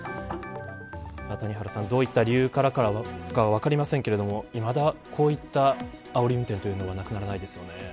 谷原さん、どういった理由からかは分かりませんけれどいまだ、こういったあおり運転というのはなくならないですね。